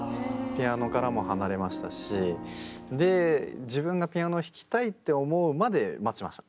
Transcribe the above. ピアノからも離れましたしで自分がピアノを弾きたいって思うまで待ちました。